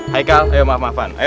haikal kamu bisa berhenti